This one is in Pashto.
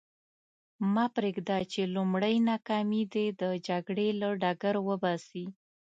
مه پرېږده چې لومړۍ ناکامي دې د جګړې له ډګر وباسي.